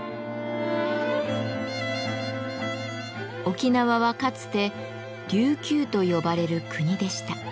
沖縄はかつて「琉球」と呼ばれる国でした。